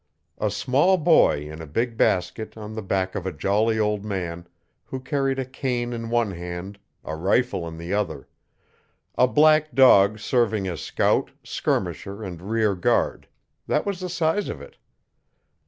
A small boy in a big basket on the back of a jolly old man, who carried a cane in one hand, a rifle in the other; a black dog serving as scout, skirmisher and rear guard that was the size of it.